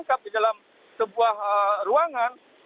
jadi kalau saja ini